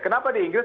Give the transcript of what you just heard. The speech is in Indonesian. kenapa di inggris